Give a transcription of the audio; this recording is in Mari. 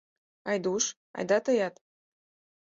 Айдуш, айда тыят!